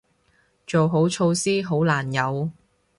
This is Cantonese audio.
做好措施，好難有